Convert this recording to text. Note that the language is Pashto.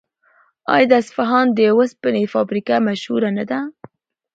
آیا د اصفهان د وسپنې فابریکه مشهوره نه ده؟